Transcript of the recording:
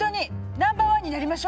ナンバーワンになりましょ。